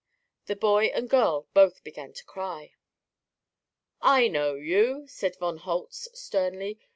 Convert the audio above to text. The boy and girl both began to cry. "I know you," said von Holtz sternly.